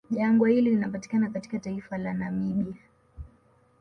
Jangwa hili linapatikana katika taifa la Namibia